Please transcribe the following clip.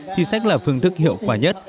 khi sách là phương thức hiệu quả nhất